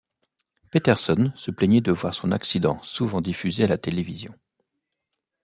Peterson se plaignait de voir son accident souvent diffusé à la télévision.